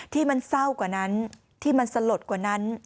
ที่มันเศร้ากว่านั้นที่มันสลดกว่านั้น